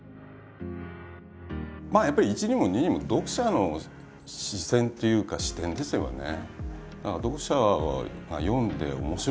やっぱり一にも二にも読者の視線っていうか視点ですよね。